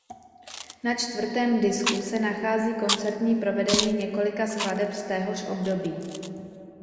Na čtvrtém disku se nachází koncertní provedení několika skladeb z téhož období.